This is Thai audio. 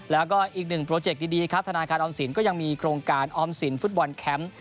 แล้วก็อีกหนึ่งโปรเจคดีครับธนาคารออมสินก็ยังมีโครงการออมสินฟุตบอลแคมป์